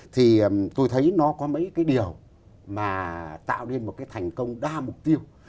thì tôi thấy nó có mấy cái điều mà tạo nên một cái thành công đa mục tiêu